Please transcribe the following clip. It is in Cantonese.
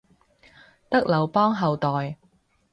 得劉邦後代